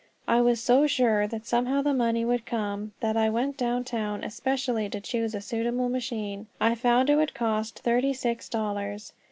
I was so sure that somehow the money would come, that I went down town especially to choose a suitable machine. I found it would cost thirty six dollars.